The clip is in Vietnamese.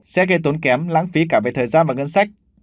sẽ gây tốn kém lãng phí cả về thời gian và ngân sách